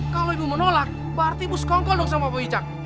kalau ibu menolak pak rt buskong kong dong sama pak wicak